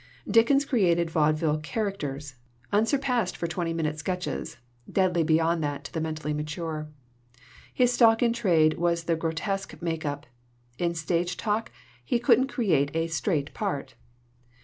"Dickens created vaudeville 'characters' un surpassed for twenty minute sketches, deadly be yond that to the mentally mature. His stock in trade was the grotesque make up. In stage talk he couldn't create a 'straight' part.